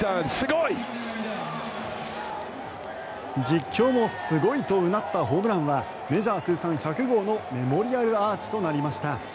実況もすごいとうなったホームランはメジャー通算１００号のメモリアルアーチとなりました。